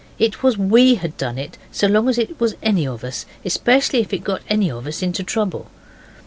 It was WE had done it, so long as it was any of us, especially if it got any of us into trouble.